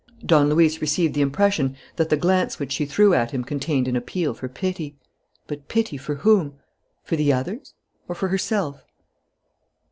Don Luis received the impression that the glance which she threw at him contained an appeal for pity. But pity for whom? For the others? Or for herself?